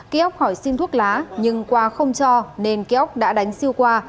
ký ốc hỏi xin thuốc lá nhưng qua không cho nên ký ốc đã đánh siêu qua